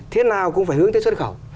thiết nào cũng phải hướng tới xuất khẩu